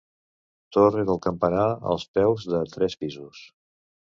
Torre del campanar als peus, de tres pisos.